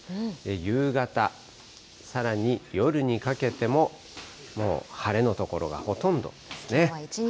夕方、さらに夜にかけても、もう晴れの所がほとんどですね。